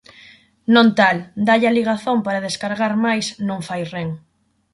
Non tal. Dálle á ligazón para descargar mais non fai ren